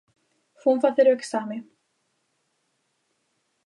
Fun facer o exame.